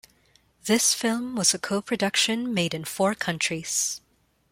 This film was a co-production made in four countries.